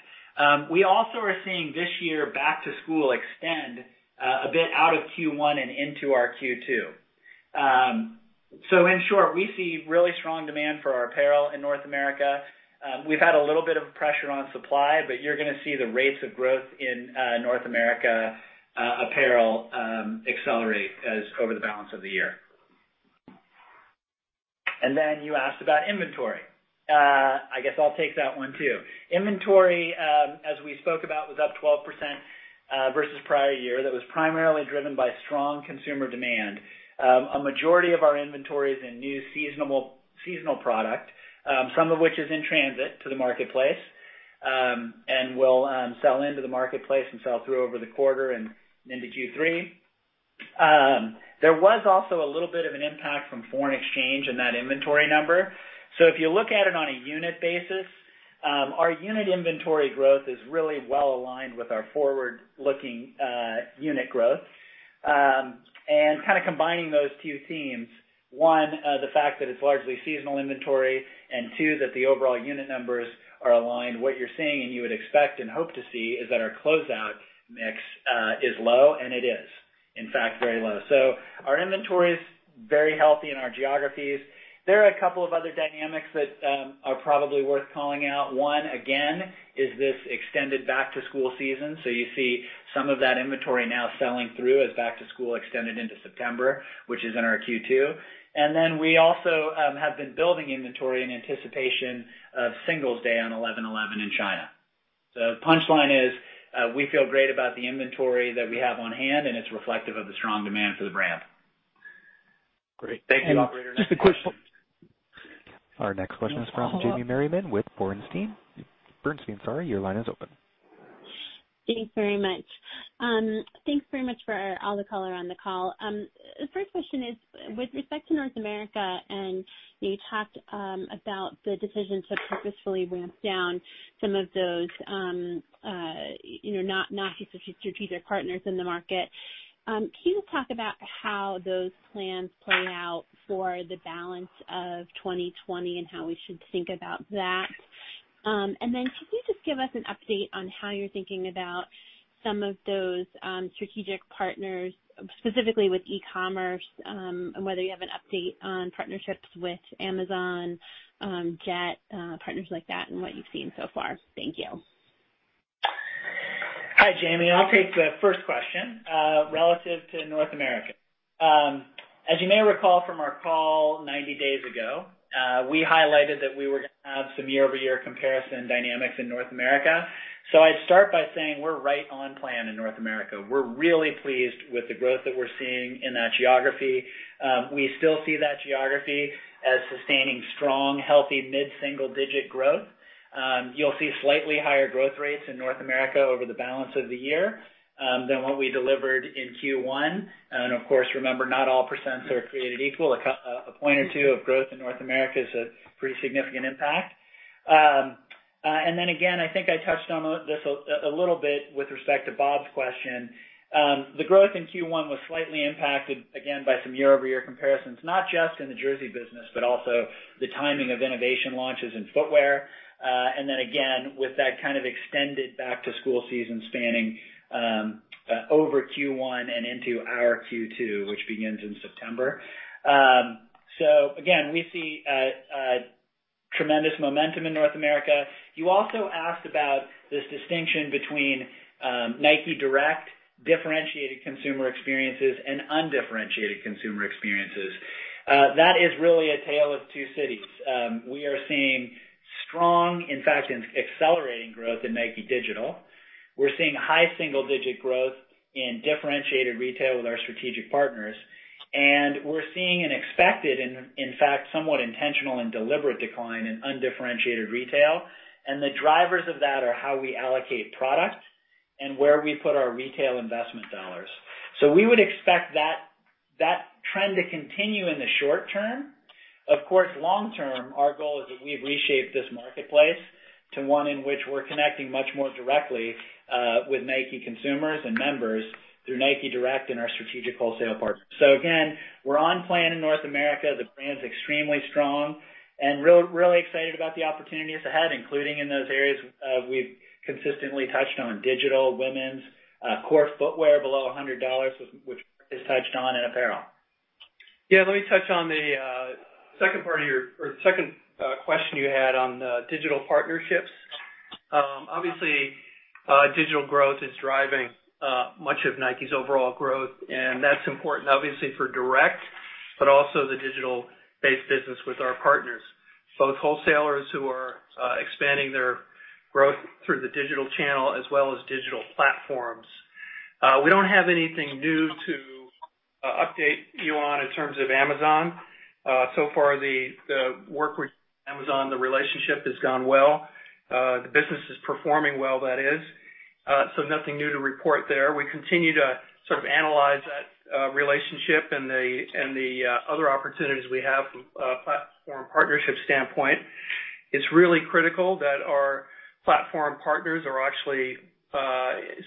We also are seeing this year back to school extend a bit out of Q1 and into our Q2. In short, we see really strong demand for our apparel in North America. We've had a little bit of pressure on supply, you're going to see the rates of growth in North America apparel accelerate over the balance of the year. You asked about inventory. I guess I'll take that one, too. Inventory, as we spoke about, was up 12% versus prior year. That was primarily driven by strong consumer demand. A majority of our inventory is in new seasonal product, some of which is in transit to the marketplace, and will sell into the marketplace and sell through over the quarter and into Q3. There was also a little bit of an impact from foreign exchange in that inventory number. If you look at it on a unit basis, our unit inventory growth is really well aligned with our forward-looking unit growth. Kind of combining those two themes, one, the fact that it's largely seasonal inventory, and two, that the overall unit numbers are aligned. What you're seeing, and you would expect and hope to see, is that our closeout mix is low, and it is, in fact, very low. Our inventory is very healthy in our geographies. There are a couple of other dynamics that are probably worth calling out. One, again, is this extended back-to-school season. You see some of that inventory now selling through as back-to-school extended into September, which is in our Q2. We also have been building inventory in anticipation of Singles' Day on 11.11 in China. The punchline is, we feel great about the inventory that we have on hand, and it's reflective of the strong demand for the brand. Great. Thank you, operator. Next question. Just a quick follow up. Our next question is from Jamie Merriman with Bernstein. Your line is open. Thanks very much. Thanks very much for all the color on the call. The first question is with respect to North America. You talked about the decision to purposefully ramp down some of those not strategic partners in the market. Can you talk about how those plans play out for the balance of 2020 and how we should think about that? Could you just give us an update on how you're thinking about some of those strategic partners, specifically with e-commerce, and whether you have an update on partnerships with Amazon, Jet.com, partners like that, and what you've seen so far. Thank you. Hi, Jamie. I'll take the first question, relative to North America. As you may recall from our call 90 days ago, we highlighted that we were going to have some year-over-year comparison dynamics in North America. I'd start by saying we're right on plan in North America. We're really pleased with the growth that we're seeing in that geography. We still see that geography as sustaining strong, healthy, mid-single digit growth. You'll see slightly higher growth rates in North America over the balance of the year than what we delivered in Q1. Of course, remember, not all percents are created equal. A point or two of growth in North America is a pretty significant impact. Again, I think I touched on this a little bit with respect to Bob's question. The growth in Q1 was slightly impacted, again, by some year-over-year comparisons, not just in the jersey business, but also the timing of innovation launches in footwear. Then again, with that kind of extended back-to-school season spanning over Q1 and into our Q2, which begins in September. Again, we see tremendous momentum in North America. You also asked about this distinction between Nike Direct differentiated consumer experiences and undifferentiated consumer experiences. That is really a tale of two cities. We are seeing strong, in fact, accelerating growth in Nike Digital. We're seeing high single-digit growth in differentiated retail with our strategic partners. We're seeing an expected, in fact, somewhat intentional and deliberate decline in undifferentiated retail. The drivers of that are how we allocate product and where we put our retail investment dollars. We would expect that trend to continue in the short term. Of course, long term, our goal is that we've reshaped this marketplace to one in which we're connecting much more directly with Nike consumers and members through Nike Direct and our strategic wholesale partners. Again, we're on plan in North America. The brand's extremely strong and really excited about the opportunities ahead, including in those areas we've consistently touched on digital, women's, core footwear below $100, which is touched on in apparel. Yeah, let me touch on the second question you had on digital partnerships. Obviously, digital growth is driving much of Nike's overall growth, and that's important, obviously, for Nike Direct, but also the digital-based business with our partners. Both wholesalers who are expanding their growth through the digital channel as well as digital platforms. We don't have anything new to update you on in terms of Amazon. Far, the work with Amazon, the relationship has gone well. The business is performing well, that is. Nothing new to report there. We continue to sort of analyze that relationship and the other opportunities we have from a platform partnership standpoint. It's really critical that our platform partners are actually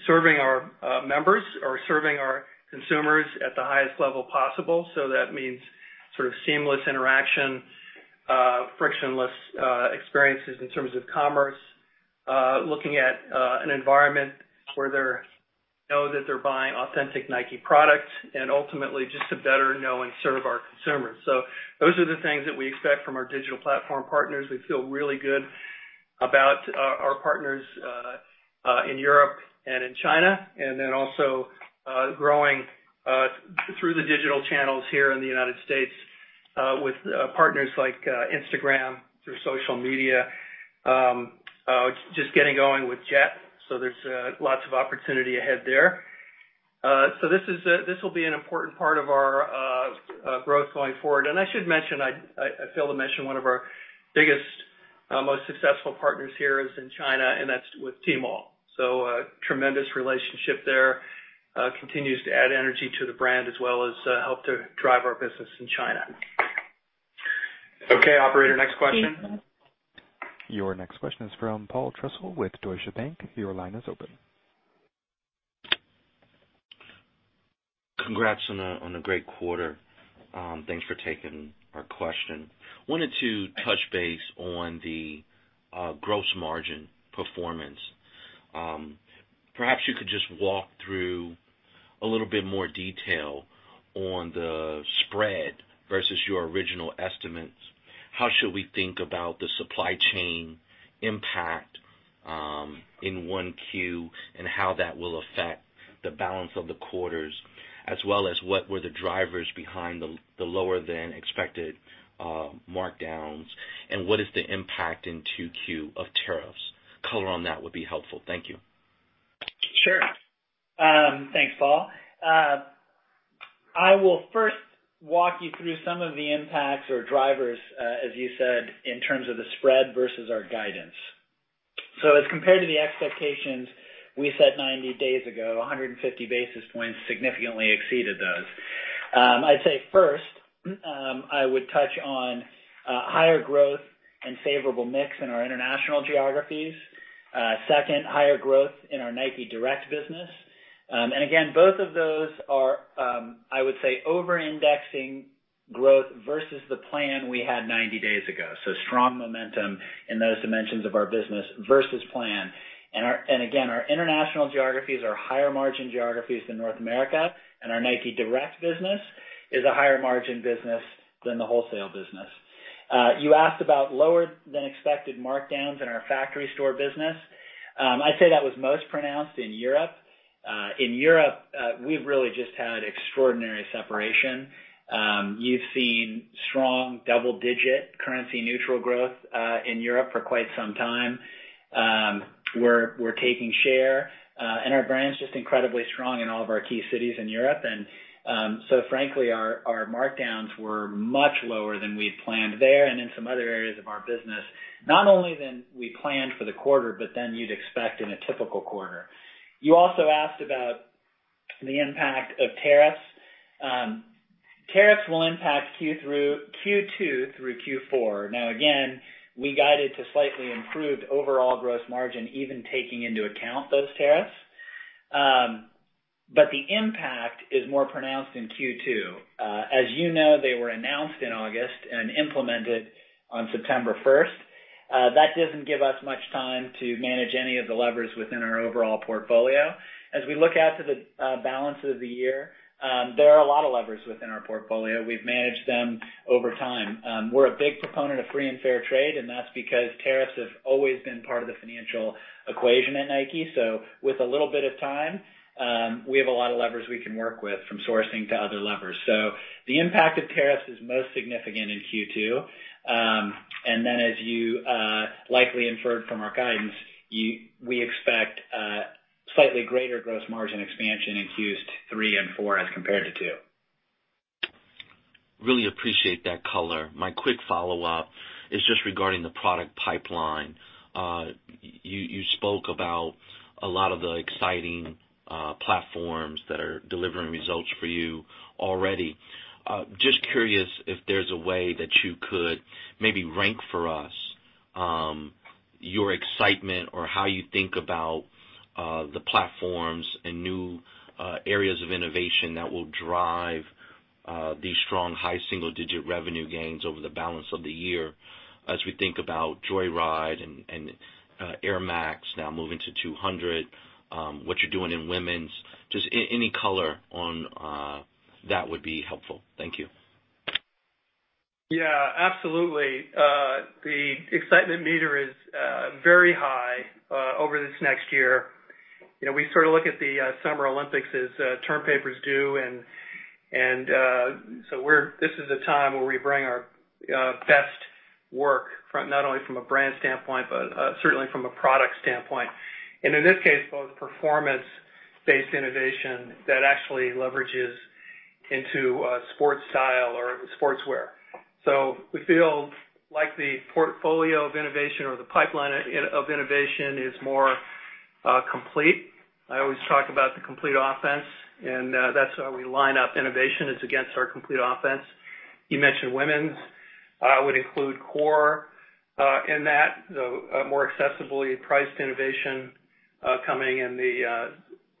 serving our members or serving our consumers at the highest level possible. That means sort of seamless interaction, frictionless experiences in terms of commerce, looking at an environment where they know that they're buying authentic Nike products, and ultimately, just to better know and serve our consumers. Those are the things that we expect from our digital platform partners. We feel really good about our partners in Europe and in China, and then also growing through the digital channels here in the United States with partners like Instagram through social media. Just getting going with Jet.com. There's lots of opportunity ahead there. This will be an important part of our growth going forward. I should mention, I failed to mention one of our biggest, most successful partners here is in China, and that's with Tmall. A tremendous relationship there. Continues to add energy to the brand as well as help to drive our business in China. Okay, operator, next question. Your next question is from Paul Trussell with Deutsche Bank. Your line is open. Congrats on a great quarter. Thanks for taking our question. Wanted to touch base on the gross margin performance. Perhaps you could just walk through a little bit more detail on the spread versus your original estimates. How should we think about the supply chain impact in 1Q and how that will affect the balance of the quarters, as well as what were the drivers behind the lower than expected markdowns, and what is the impact in 2Q of tariffs? Color on that would be helpful. Thank you. Sure. Thanks, Paul. I will first walk you through some of the impacts or drivers, as you said, in terms of the spread versus our guidance. As compared to the expectations we set 90 days ago, 150 basis points significantly exceeded those. I'd say first, I would touch on higher growth and favorable mix in our international geographies. Second, higher growth in our Nike Direct business. Again, both of those are, I would say, over-indexing growth versus the plan we had 90 days ago. Strong momentum in those dimensions of our business versus plan. Again, our international geographies are higher margin geographies than North America, and our Nike Direct business is a higher margin business than the wholesale business. You asked about lower than expected markdowns in our factory store business. I'd say that was most pronounced in Europe. In Europe, we've really just had extraordinary separation. You've seen strong double-digit currency-neutral growth in Europe for quite some time. We're taking share. Our brand's just incredibly strong in all of our key cities in Europe. Frankly, our markdowns were much lower than we'd planned there and in some other areas of our business, not only than we planned for the quarter, but than you'd expect in a typical quarter. You also asked about the impact of tariffs. Tariffs will impact Q2 through Q4. Now, again, we guided to slightly improved overall gross margin, even taking into account those tariffs. The impact is more pronounced in Q2. As you know, they were announced in August and implemented on September 1st. That doesn't give us much time to manage any of the levers within our overall portfolio. As we look out to the balance of the year, there are a lot of levers within our portfolio. We've managed them over time. We're a big proponent of free and fair trade. That's because tariffs have always been part of the financial equation at Nike. With a little bit of time, we have a lot of levers we can work with from sourcing to other levers. The impact of tariffs is most significant in Q2. As you likely inferred from our guidance, we expect slightly greater gross margin expansion in Qs 3 and 4 as compared to 2. Really appreciate that color. My quick follow-up is just regarding the product pipeline. You spoke about a lot of the exciting platforms that are delivering results for you already. Just curious if there's a way that you could maybe rank for us your excitement or how you think about the platforms and new areas of innovation that will drive these strong, high single-digit revenue gains over the balance of the year. We think about Nike Joyride and Air Max now moving to Air Max 200, what you're doing in women's, just any color on that would be helpful. Thank you. Yeah, absolutely. The excitement meter is very high over this next year. We sort of look at the Summer Olympics as term papers due. This is a time where we bring our best work, not only from a brand standpoint, but certainly from a product standpoint. In this case, both performance-based innovation that actually leverages into a sport style or sportswear. We feel like the portfolio of innovation or the pipeline of innovation is more complete. I always talk about the complete offense. That's how we line up innovation is against our complete offense. You mentioned women's. I would include core in that, though more accessibly priced innovation coming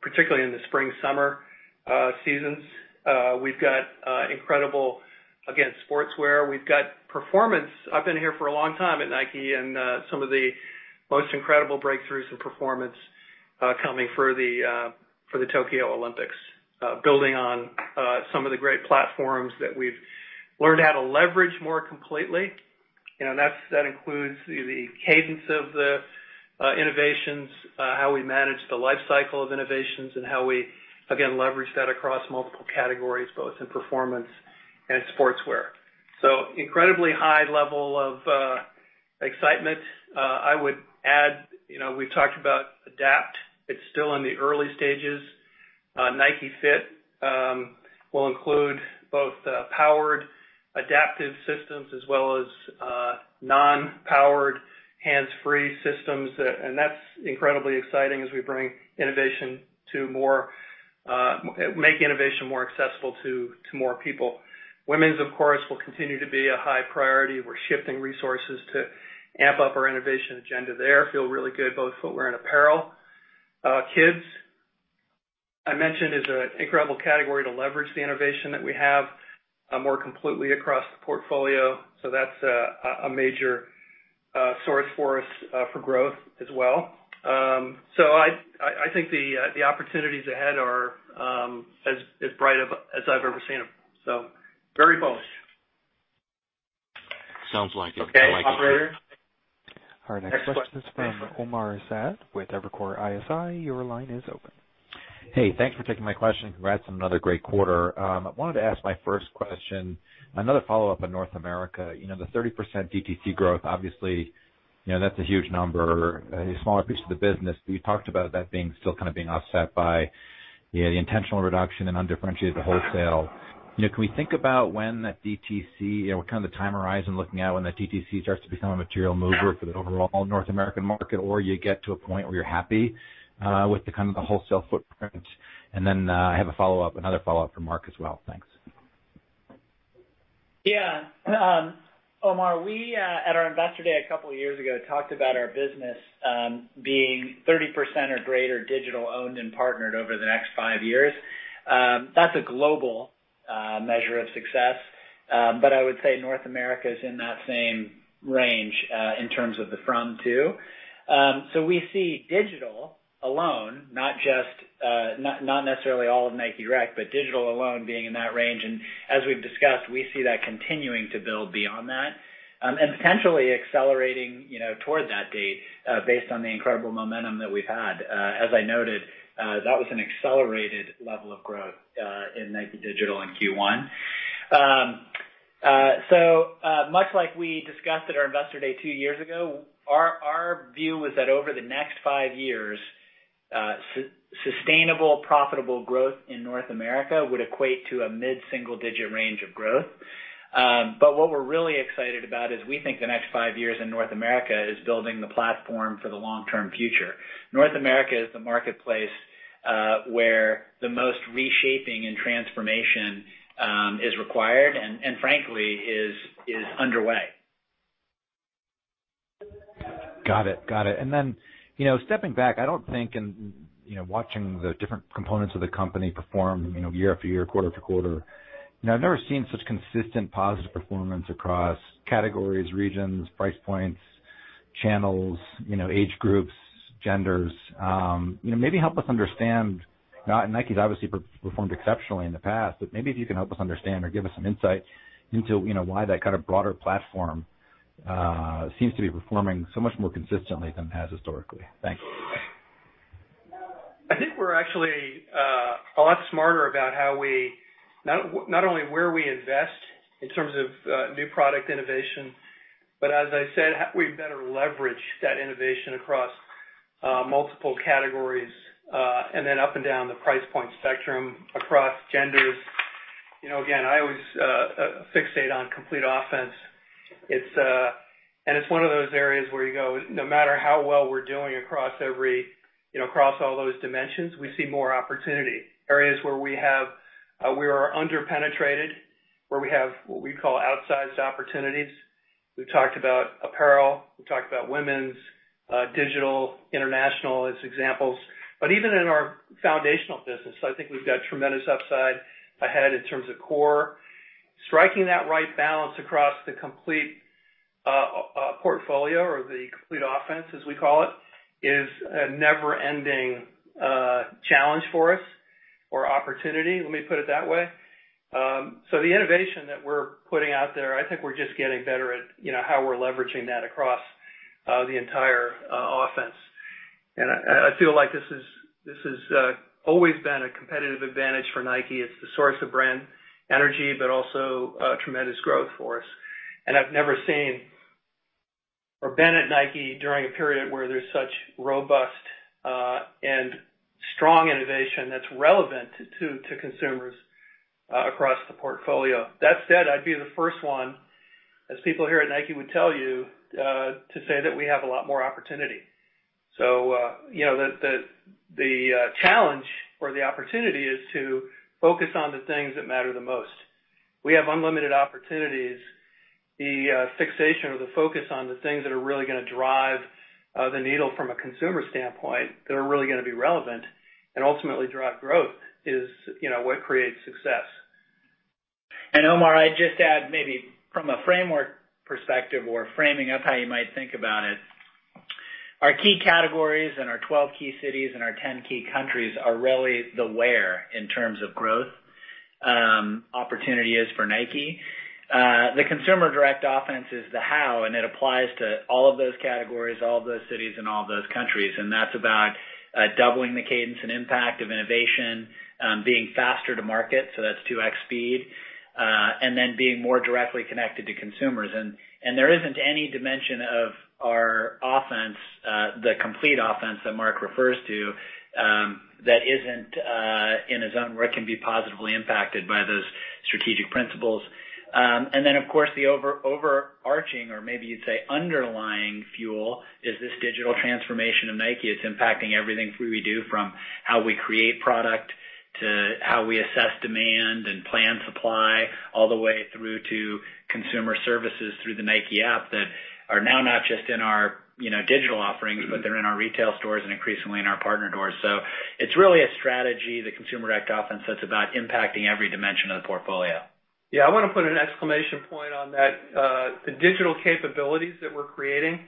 particularly in the spring, summer seasons. We've got incredible, again, sportswear. We've got performance. I've been here for a long time at Nike, and some of the most incredible breakthroughs in performance coming for the Tokyo Olympics, building on some of the great platforms that we've learned how to leverage more completely. That includes the cadence of the innovations, how we manage the life cycle of innovations, and how we, again, leverage that across multiple categories, both in performance and sportswear. Incredibly high level of excitement. I would add, we've talked about Adapt. It's still in the early stages. Nike Fit will include both powered adaptive systems as well as non-powered hands-free systems. That's incredibly exciting as we make innovation more accessible to more people. Women's, of course, will continue to be a high priority. We're shifting resources to amp up our innovation agenda there. Feel really good, both footwear and apparel. Kids, I mentioned, is an incredible category to leverage the innovation that we have more completely across the portfolio. That's a major source for us for growth as well. I think the opportunities ahead are as bright as I've ever seen them. Very bullish. Sounds like it. I like it. Okay, operator. Our next question. Next question. is from Omar Saad with Evercore ISI. Your line is open. Hey, thanks for taking my question. Congrats on another great quarter. I wanted to ask my first question, another follow-up on North America. The 30% DTC growth, obviously, that's a huge number, a smaller piece of the business. You talked about that being still kind of being offset by the intentional reduction in undifferentiated wholesale. Can we think about when that DTC, what kind of the time horizon looking at when the DTC starts to become a material mover for the overall North American market, or you get to a point where you're happy with the kind of the wholesale footprint? Then, I have another follow-up for Mark as well. Thanks. Yeah. Omar, we, at our investor day a couple of years ago, talked about our business being 30% or greater digital owned and partnered over the next five years. That's a global measure of success. I would say North America is in that same range in terms of the from two. We see digital alone, not necessarily all of Nike Direct, but digital alone being in that range. As we've discussed, we see that continuing to build beyond that. Potentially accelerating toward that date based on the incredible momentum that we've had. As I noted, that was an accelerated level of growth in Nike Digital in Q1. Much like we discussed at our investor day two years ago, our view was that over the next five years, sustainable, profitable growth in North America would equate to a mid-single digit range of growth. What we're really excited about is we think the next five years in North America is building the platform for the long-term future. North America is the marketplace where the most reshaping and transformation is required and frankly, is underway. Got it. Stepping back, I don't think, watching the different components of the company perform year after year, quarter to quarter, I've never seen such consistent positive performance across categories, regions, price points, channels, age groups, genders. Maybe help us understand, Nike's obviously performed exceptionally in the past, but maybe if you can help us understand or give us some insight into why that kind of broader platform seems to be performing so much more consistently than it has historically. Thanks. I think we're actually a lot smarter about not only where we invest in terms of new product innovation, but as I said, we better leverage that innovation across multiple categories, and then up and down the price point spectrum across genders. Again, I always fixate on complete offense. It's one of those areas where you go, no matter how well we're doing across all those dimensions, we see more opportunity. Areas where we are under-penetrated, where we have what we call outsized opportunities. We've talked about apparel, we've talked about women's, digital, international as examples. But even in our foundational business, I think we've got tremendous upside ahead in terms of core. Striking that right balance across the complete portfolio or the complete offense, as we call it, is a never-ending challenge for us or opportunity, let me put it that way. The innovation that we're putting out there, I think we're just getting better at how we're leveraging that across the entire offense. I feel like this has always been a competitive advantage for Nike. It's the source of brand energy, but also a tremendous growth for us. I've never seen or been at Nike during a period where there's such robust and strong innovation that's relevant to consumers across the portfolio. That said, I'd be the first one, as people here at Nike would tell you, to say that we have a lot more opportunity. The challenge or the opportunity is to focus on the things that matter the most. We have unlimited opportunities. The fixation or the focus on the things that are really going to drive the needle from a consumer standpoint, that are really going to be relevant and ultimately drive growth is what creates success. Omar, I'd just add maybe from a framework perspective or framing up how you might think about it. Our key categories and our 12 key cities and our 10 key countries are really the where in terms of growth opportunity is for Nike. The Consumer Direct Offense is the how, and it applies to all of those categories, all of those cities, and all of those countries. That's about doubling the cadence and impact of innovation, being faster to market, so that's 2X Speed, and then being more directly connected to consumers. There isn't any dimension of our offense, the complete offense that Mark refers to, that isn't in a zone where it can be positively impacted by those strategic principles. Then, of course, the overarching, or maybe you'd say underlying fuel, is this digital transformation of Nike. It's impacting everything we do from how we create product to how we assess demand and plan supply, all the way through to consumer services through the Nike App that are now not just in our digital offerings, but they're in our retail stores and increasingly in our partner stores. It's really a strategy, the Consumer Direct Offense, that's about impacting every dimension of the portfolio. Yeah, I want to put an exclamation point on that. The digital capabilities that we're creating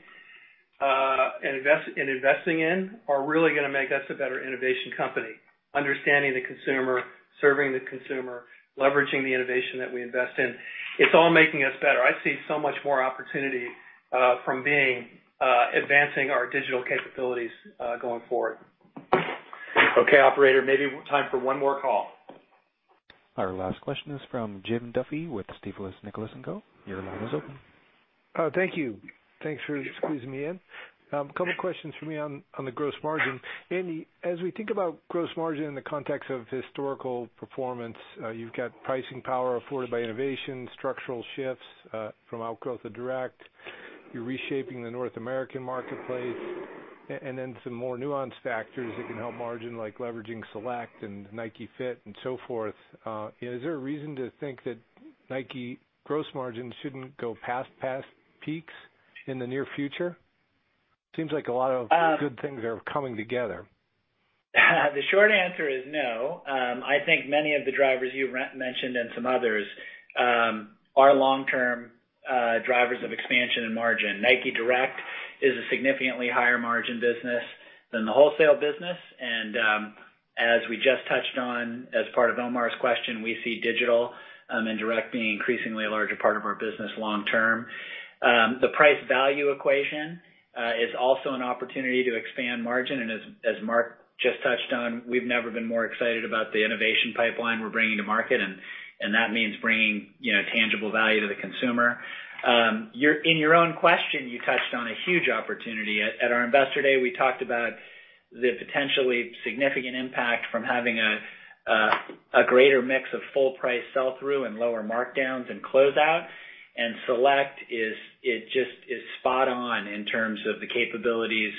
and investing in are really going to make us a better innovation company. Understanding the consumer, serving the consumer, leveraging the innovation that we invest in, it's all making us better. I see so much more opportunity from advancing our digital capabilities going forward. Okay, operator, maybe time for one more call. Our last question is from Jim Duffy with Stifel Nicolaus & Co. Your line is open. Thank you. Thanks for squeezing me in. Two questions from me on the gross margin. Andy, as we think about gross margin in the context of historical performance, you've got pricing power afforded by innovation, structural shifts from outgrowth of direct. You're reshaping the North American marketplace. Then some more nuanced factors that can help margin, like leveraging Celect and Nike Fit and so forth. Is there a reason to think that Nike gross margin shouldn't go past peaks in the near future? Seems like a lot of good things are coming together. The short answer is no. I think many of the drivers you mentioned and some others, are long-term drivers of expansion and margin. Nike Direct is a significantly higher margin business than the wholesale business. As we just touched on as part of Omar's question, we see digital and direct being increasingly a larger part of our business long term. The price value equation is also an opportunity to expand margin, and as Mark just touched on, we've never been more excited about the innovation pipeline we're bringing to market, and that means bringing tangible value to the consumer. In your own question, you touched on a huge opportunity. At our investor day, we talked about the potentially significant impact from having a greater mix of full price sell-through and lower markdowns and closeout. Celect is spot on in terms of the capabilities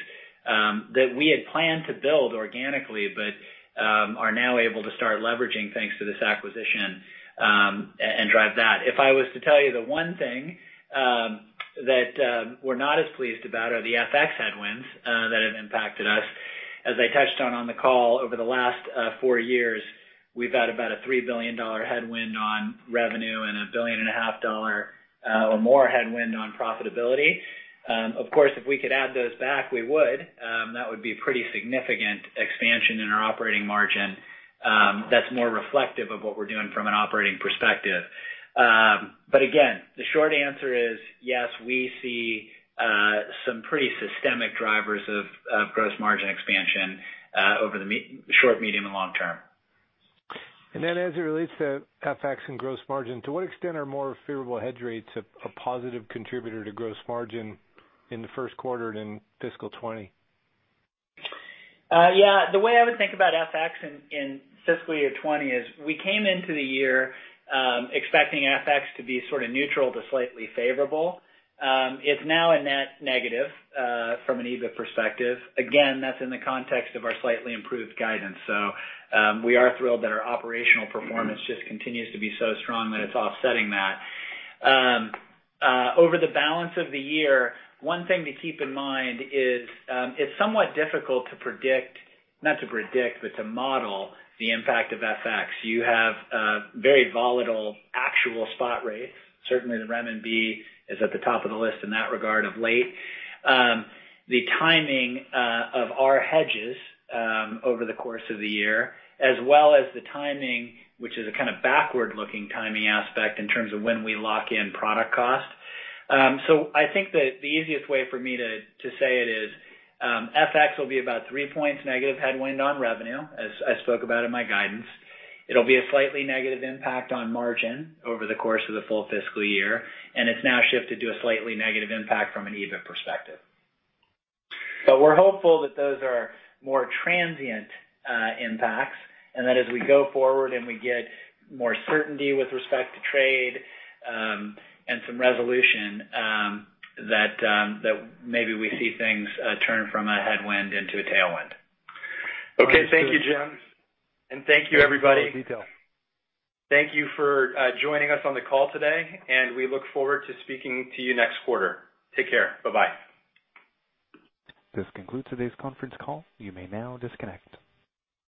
that we had planned to build organically, but are now able to start leveraging thanks to this acquisition, and drive that. If I was to tell you the one thing that we're not as pleased about are the FX headwinds that have impacted us. As I touched on the call over the last four years, we've had about a $3 billion headwind on revenue and a billion and a half dollar or more headwind on profitability. Of course, if we could add those back, we would. That would be pretty significant expansion in our operating margin. That's more reflective of what we're doing from an operating perspective. Again, the short answer is yes, we see some pretty systemic drivers of gross margin expansion over the short, medium, and long term. As it relates to FX and gross margin, to what extent are more favorable hedge rates a positive contributor to gross margin in the first quarter in fiscal 2020? The way I would think about FX in fiscal year 2020 is we came into the year expecting FX to be sort of neutral to slightly favorable. It's now a net negative from an EBIT perspective. Again, that's in the context of our slightly improved guidance. We are thrilled that our operational performance just continues to be so strong that it's offsetting that. Over the balance of the year, one thing to keep in mind is it's somewhat difficult to predict, not to predict, but to model the impact of FX. You have very volatile actual spot rates. Certainly, the renminbi is at the top of the list in that regard of late. The timing of our hedges over the course of the year as well as the timing, which is a kind of backward-looking timing aspect in terms of when we lock in product cost. I think that the easiest way for me to say it is FX will be about three points negative headwind on revenue, as I spoke about in my guidance. It'll be a slightly negative impact on margin over the course of the full fiscal year, and it's now shifted to a slightly negative impact from an EBIT perspective. We're hopeful that those are more transient impacts and that as we go forward and we get more certainty with respect to trade and some resolution, that maybe we see things turn from a headwind into a tailwind. Okay. Thank you, Jim. Thank you, everybody. Thanks for the detail. Thank you for joining us on the call today, and we look forward to speaking to you next quarter. Take care. Bye-bye. This concludes today's conference call. You may now disconnect.